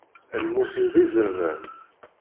Lmut-iw d izerman.